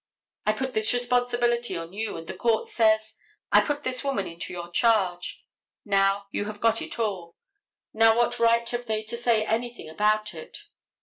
I put this responsibility on you. And the court says, "I put this woman into your charge." Now you have got it all. Now what right have they to say anything about it?